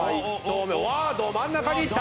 うわど真ん中にいった！